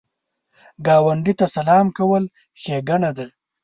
ګاونډي ته سلام کول ښېګڼه ده